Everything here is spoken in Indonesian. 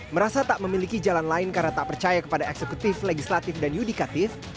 merasa tak memiliki jalan lain karena tak percaya kepada eksekutif legislatif dan yudikatif